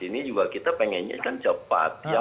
ini juga kita pengennya kan cepat